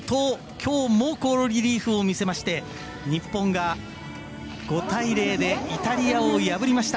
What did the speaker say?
きょうも好リリーフを見せまして日本が５対０でイタリアを破りました。